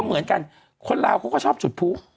เมื่อกันคนราวเค้าก็ชอบจุฐภู้